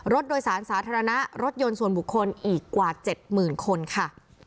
รถโดยสารสาธารณะรถยนต์ส่วนบุคคลอีกกว่า๗๐๐๐คนค่ะ